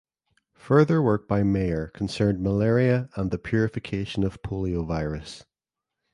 Further work by Mayer concerned malaria and the purification of poliovirus.